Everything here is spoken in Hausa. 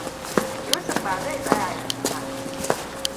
Yusuf ba zai tsaya yanzu ba.